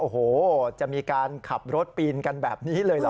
โอ้โหจะมีการขับรถปีนกันแบบนี้เลยเหรอ